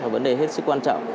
vấn đề hết sức quan trọng